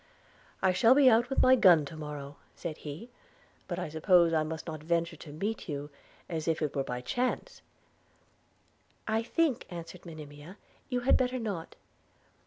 'I shall be out with my gun to morrow,' said he; 'but I suppose I must not venture to meet you as if it were by chance?' 'I think,' answered Monimia, 'you had better not.